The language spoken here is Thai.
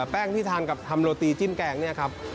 แป้งที่ทานกับทำโรตีจิ้มแกงเนี่ยครับ